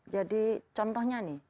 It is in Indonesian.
jadi contohnya nih